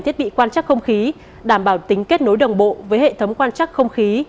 thiết bị quan trắc không khí đảm bảo tính kết nối đồng bộ với hệ thống quan chắc không khí